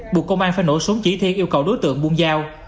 buộc công an phải nổ súng chỉ thiện yêu cầu đối tượng buôn dao